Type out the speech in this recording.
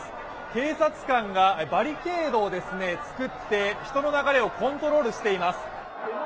警察官がバリケードを作って人の流れをコントロールしています。